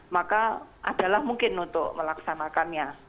maka adalah mungkin untuk melaksanakannya